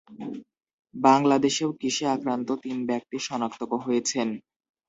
বাংলাদেশেও কিসে আক্রান্ত তিন ব্যক্তি শনাক্ত হয়েছেন?